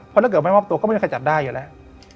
เพราะถ้าเกิดไม่มอบตัวก็ไม่มีใครจับได้อยู่แล้ว